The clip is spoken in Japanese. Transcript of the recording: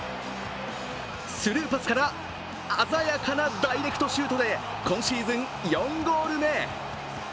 スルーパスから鮮やかなダイレクトシュートで今シーズン４ゴール目。